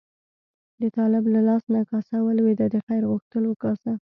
د طالب له لاس نه کاسه ولوېده، د خیر غوښتلو کاسه.